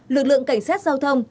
lực lượng cảnh sát giao thông